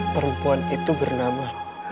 perempuan itu bernama